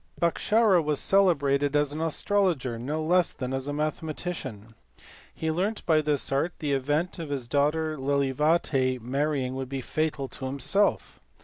Bhaskara was celebrated as an astrologer no less than as a mathematician. He learnt by this art that the event of his daughter Lilavati marrying would be fatal to himself.